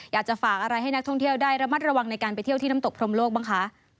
อยากจะฝากอะไรให้นักท่องเที่ยวได้ระมัดระวังในการไปเที่ยวที่น้ำตกพรมโลกบ้างคะ